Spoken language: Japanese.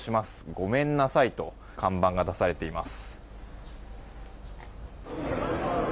ごめんなさいと看板が出されています。